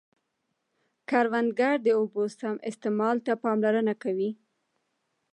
کروندګر د اوبو سم استعمال ته پاملرنه کوي